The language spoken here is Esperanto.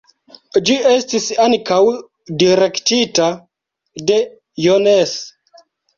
Ĝi estis ankaŭ direktita de Jones.